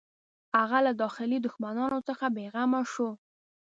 هغه له داخلي دښمنانو څخه بېغمه شو.